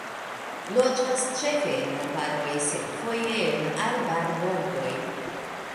Loĝas ĉefe en arbaroj sed foje en arbarbordoj.